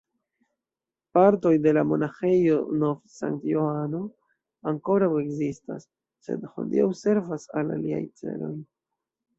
Partoj de la Monaĥejo Nov-Sankt-Johano ankoraŭ ekzistas, sed hodiaŭ servas al aliaj celoj.